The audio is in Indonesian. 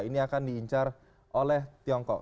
ini akan diincar oleh tiongkok